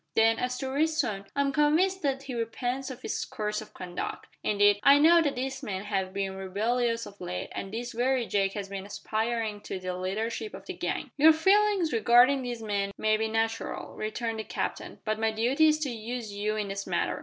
Then, as to Ritson, I am convinced that he repents of his course of conduct. Indeed, I know that his men have been rebellious of late, and this very Jake has been aspiring to the leadership of the gang." "Your feelings regarding these men may be natural," returned the captain, "but my duty is to use you in this matter.